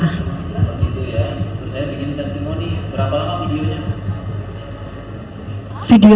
nah begitu ya saya bikin testimoni berapa lama videonya